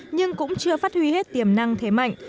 nhưng cũng chưa phát huy hết tiềm năng thế mạnh